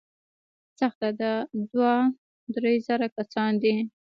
سخته ده، دوه، درې زره کسان دي.